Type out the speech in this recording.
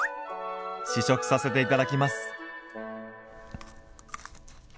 試食させていただきます。